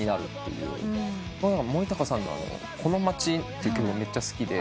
森高さんの『この街』って曲がめっちゃ好きで。